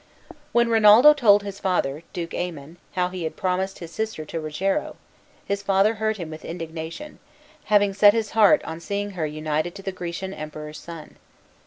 When Rinaldo told his father, Duke Aymon, how he had promised his sister to Rogero, his father heard him with indignation, having set his heart on seeing her united to the Grecian Emperor's son.